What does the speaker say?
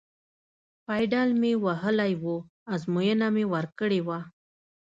پایډل مې وهلی و، ازموینه مې ورکړې وه.